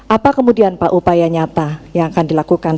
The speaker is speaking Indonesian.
apa kemudian pak upaya nyata yang akan dilakukan